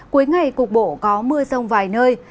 cuối ngày cục bộ có mưa rông vài nơi